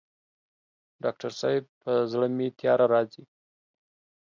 ډاکټر صاحب په زړه مي تیاره راځي